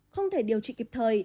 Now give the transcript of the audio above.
không thể điều trị kịp thời